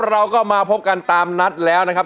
เราก็มาพบกันตามนัดแล้วนะครับ